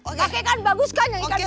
oke kan bagus kan yang ikan